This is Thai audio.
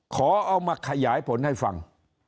ขอเอามาขยายผลให้ฟัง